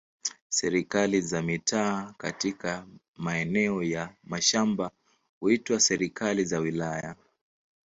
Serikali za mitaa katika maeneo ya mashambani huitwa serikali za wilaya.